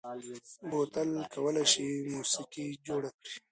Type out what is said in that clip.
بوتل کولای شي موسيقي جوړ کړي.